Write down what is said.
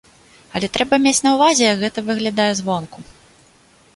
Але трэба мець на ўвазе, як гэта выглядае звонку.